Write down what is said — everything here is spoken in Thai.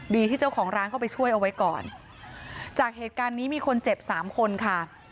ที่เจ้าของร้านเข้าไปช่วยเอาไว้ก่อนจากเหตุการณ์นี้มีคนเจ็บสามคนค่ะ